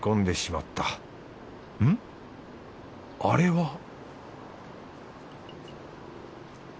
あれは